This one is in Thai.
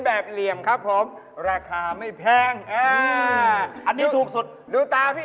ผมมีอีกอาการผมโห้พี่